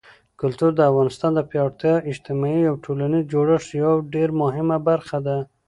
کلتور د افغانستان د پیاوړي اجتماعي او ټولنیز جوړښت یوه ډېره مهمه برخه ده.